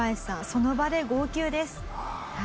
その場で号泣です。